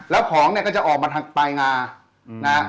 แล้วของเนี่ยก็จะออกมาทางปลายงานะ